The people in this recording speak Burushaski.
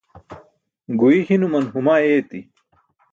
Guy hinuman huma ayeti.